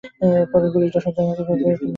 পরের গুলিটা সোজা তোমাকে করব, যদি তুমি চুপ না হও।